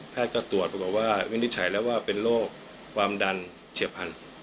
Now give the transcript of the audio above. แพทย์ก็ตรวจเรียนวินิจฉัยแล้วว่าเป็นโรคความดันเฉียเรียบพันธุ์